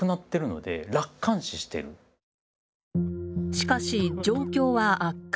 しかし状況は悪化。